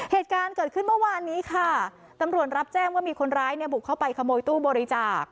เหตุการณ์เกิดขึ้นเมื่อวานนี้ค่ะตำรวจรับแจ้งว่ามีคนร้ายเนี่ยบุกเข้าไปขโมยตู้บริจาค